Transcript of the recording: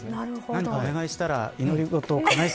何かお願いしたら祈り事、叶い